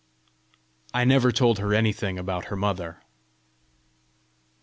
I never told her anything about her mother.